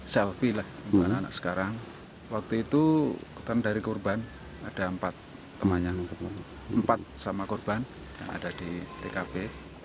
polisi membenarkan kejadian ini dan meminta kepada masyarakat untuk tidak melakukan aktivitas di sepanjang rel kereta api